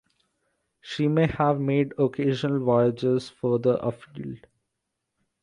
She may have made occasional voyages further afield.